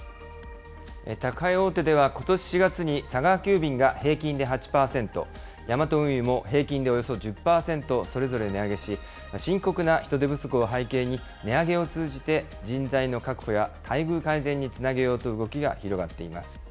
宅配大手では、ことし４月に佐川急便が平均で８％、ヤマト運輸も平均でおよそ１０％、それぞれ値上げし、深刻な人手不足を背景に、値上げを通じて人材の確保や待遇改善につなげようという動きが広がっています。